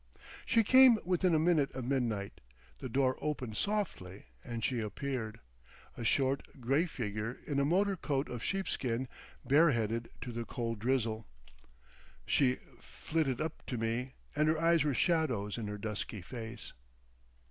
She came within a minute of midnight; the door opened softly and she appeared, a short, grey figure in a motor coat of sheepskin, bareheaded to the cold drizzle. She flitted up to me, and her eyes were shadows in her dusky face.